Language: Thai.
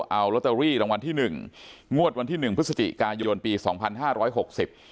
เอาลอตเตอรี่รางวัลที่หนึ่งงวดวันที่หนึ่งพฤศจิกายนปีสองพันห้าร้อยหกสิบ